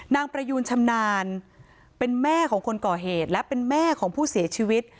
ประยูนชำนาญเป็นแม่ของคนก่อเหตุและเป็นแม่ของผู้เสียชีวิต